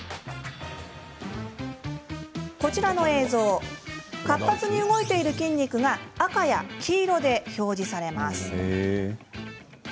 こちらの映像、活発に動いている筋肉が赤や黄色で表示されます。